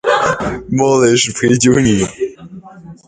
猫雷是陪酒女